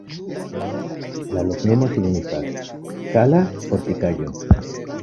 La loknomo signifas: Zala-fortikaĵo.